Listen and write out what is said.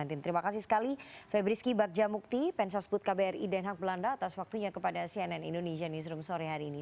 terima kasih sekali febriski bagjamukti pensosbud kbri denhak belanda atas waktunya kepada cnn indonesia newsroom sore hari ini